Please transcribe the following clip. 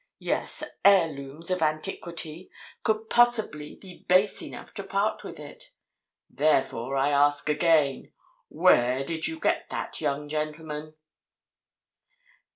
—yes, heirlooms of antiquity, could possibly be base enough to part with it. Therefore, I ask again—Where did you get that, young gentleman?"